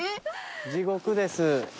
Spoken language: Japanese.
地獄です。